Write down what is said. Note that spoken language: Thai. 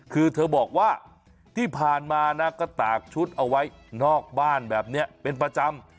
คือเธอบอกว่าที่ผ่านมานะก็ตากชุดเอาไว้นอกบ้านแบบนี้เป็นประจำ